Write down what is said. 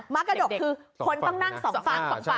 มะกระดกคือคนต้องนั่ง๒ฝั่ง๒ฝั่ง